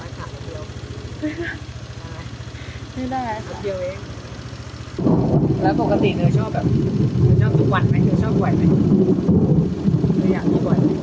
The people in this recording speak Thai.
หลบอยู่แค่วันสามน้อยเทียว